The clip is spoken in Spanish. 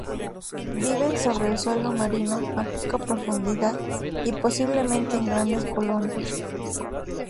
Viven sobre el suelo marino, a poca profundidad, y posiblemente en grandes colonias.